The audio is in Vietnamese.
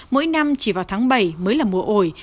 mỗi năm chỉ vào tháng bảy mới là mùa ổi